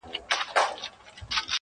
• ورور ځان ته سزا ورکوي تل..